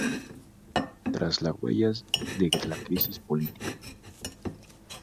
Tras las huellas de la crisis política.